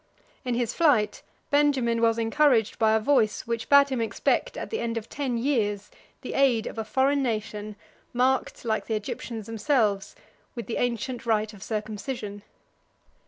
In his flight, Benjamin was encouraged by a voice, which bade him expect, at the end of ten years, the aid of a foreign nation, marked, like the Egyptians themselves, with the ancient rite of circumcision.